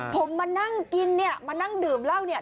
ผมมานั่งกินเนี่ยมานั่งดื่มเหล้าเนี่ย